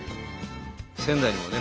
仙台にもね